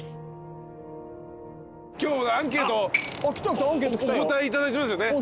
今日アンケートお答えいただいてますよね。